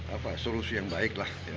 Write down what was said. apa solusi yang baik lah